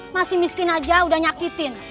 masih miskin aja udah nyakitin